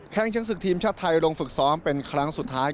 ชั้นศึกทีมชาติไทยลงฝึกซ้อมเป็นครั้งสุดท้าย